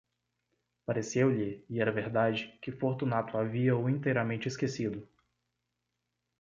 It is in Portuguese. Pareceu-lhe, e era verdade, que Fortunato havia-o inteiramente esquecido.